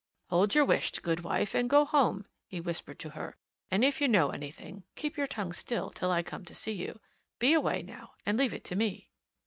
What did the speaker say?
"Hold your wisht, good wife, and go home!" he whispered to her. "And if you know anything, keep your tongue still till I come to see you. Be away, now, and leave it to me."